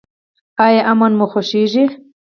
ایا امن مو خوښیږي؟